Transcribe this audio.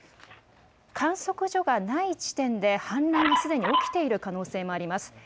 観測所がない地点で氾濫がすでに起きている可能性もあります。